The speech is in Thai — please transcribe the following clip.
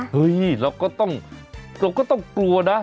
เฮ้ยเราก็ต้องกลัวนะ